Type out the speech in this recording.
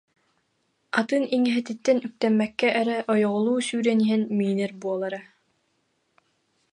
Атын иҥэһэтиттэн үктэммэккэ эрэ ойоҕолуу сүүрэн иһэн миинэр буолара